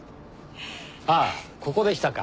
ああここでしたか。